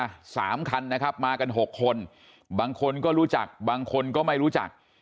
สามคันนะครับมากันหกคนบางคนก็รู้จักบางคนก็ไม่รู้จัก